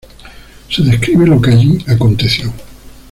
Se describe lo que allí aconteció.